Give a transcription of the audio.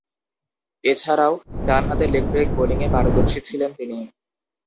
এছাড়াও, ডানহাতে leg break বোলিংয়ে পারদর্শী ছিলেন তিনি।